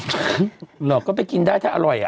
คุณหลอกก็ไปกินได้แสดงอร่อย